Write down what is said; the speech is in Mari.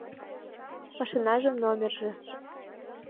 Машинажым номерже -